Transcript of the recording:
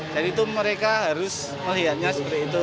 jadi itu mereka harus melihatnya seperti itu